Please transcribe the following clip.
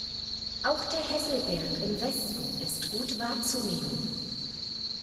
Auch der Hesselberg im Westen ist gut wahrzunehmen.